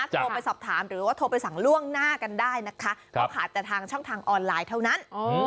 โทรไปสอบถามหรือว่าโทรไปสั่งล่วงหน้ากันได้นะคะเขาขายแต่ทางช่องทางออนไลน์เท่านั้น